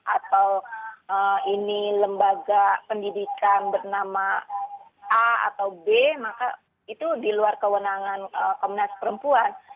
atau ini lembaga pendidikan bernama a atau b maka itu di luar kewenangan komnas perempuan